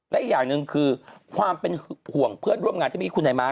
และอีกอย่างหนึ่งคือความเป็นห่วงเพื่อนร่วมงานที่มีคุณนายม้า